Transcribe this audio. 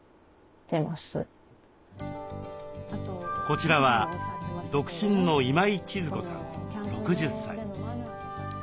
こちらは独身の今井千鶴子さん６０歳。